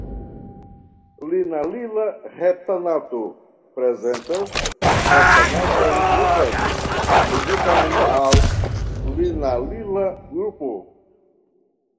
Linalila heptanato prezentas heptanatan grupon ligitan al linalila grupo.